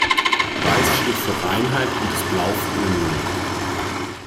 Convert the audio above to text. Weiß steht für Reinheit und das Blau für die Union.